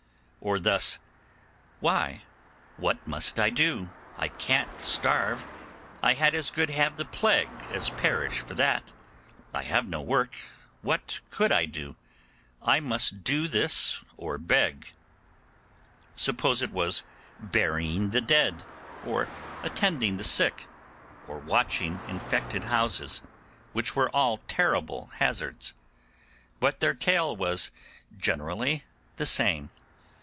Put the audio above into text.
Or thus, 'Why, what must I do? I can't starve. I had as good have the plague as perish for want. I have no work; what could I do? I must do this or beg.' Suppose it was burying the dead, or attending the sick, or watching infected houses, which were all terrible hazards; but their tale was generally the same.